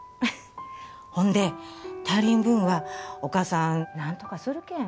ほんで足りん分はお母さん何とかするけん